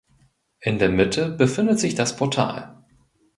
In der Mitte befindet sich das Portal.